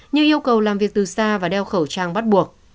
như yêu cầu làm việc từ xa và đeo khẩu trang bắt buộc